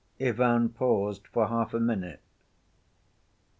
Ivan paused for half a minute.